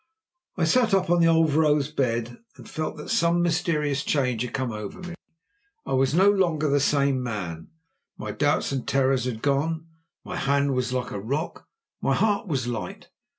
_" I sat up on the old vrouw's bed, and felt that some mysterious change had come over me. I was no longer the same man. My doubts and terrors had gone; my hand was like a rock; my heart was light.